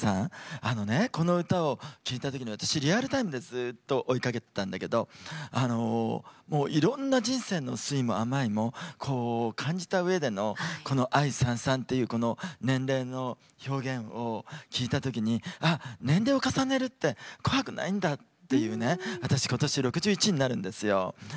この歌を聴いたとき私、リアルタイムでずっと追いかけてたんだけどいろんな人生の酸いも甘いも感じたうえでの「愛燦燦」っていう年齢の表現を聴いたときに年齢を重ねるって怖くないんだっていう私、今年６１になるんですよ。